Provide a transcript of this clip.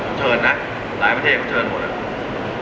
เออเชิญนะหลายประเทศเขาเชิญหมด